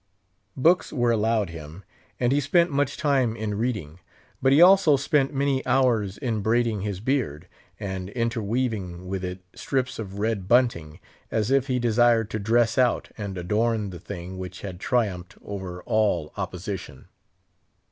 Books were allowed him, and he spent much time in reading. But he also spent many hours in braiding his beard, and interweaving with it strips of red bunting, as if he desired to dress out and adorn the thing which had triumphed over all opposition.